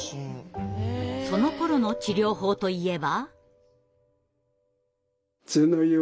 そのころの治療法といえば。